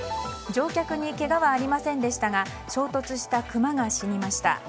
乗客にけがはありませんでしたが衝突したクマが死にました。